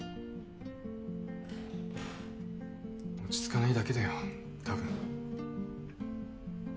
落ち着かないだけだよたぶん。